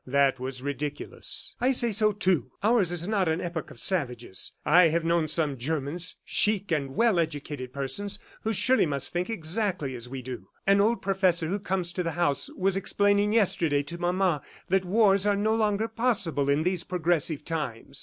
That was ridiculous. "I say so, too! Ours is not the epoch of savages. I have known some Germans, chic and well educated persons who surely must think exactly as we do. An old professor who comes to the house was explaining yesterday to mama that wars are no longer possible in these progressive times.